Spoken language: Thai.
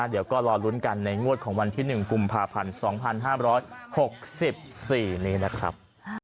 เดี๋ยวก็รอลุ้นกันในงวดของวันที่๑กุมภาพันธ์๒๕๖๔นี้นะครับ